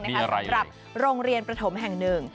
สำหรับโรงเรียนประถมแห่งหนึ่ง